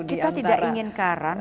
kita tidak ingin karam